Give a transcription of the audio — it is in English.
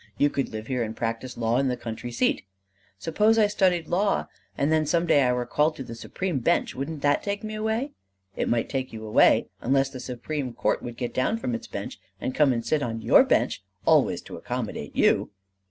You could live here and practise law in the country seat." "Suppose I studied law and then some day I were called to the Supreme Bench: wouldn't that take me away?" "It might take you away unless the Supreme Court would get down from its Bench and come and sit on your bench always to accommodate you."